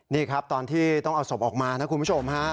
นี่ครับตอนที่ต้องเอาศพออกมานะคุณผู้ชมฮะ